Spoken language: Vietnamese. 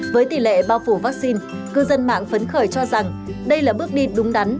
với tỷ lệ bao phủ vaccine cư dân mạng phấn khởi cho rằng đây là bước đi đúng đắn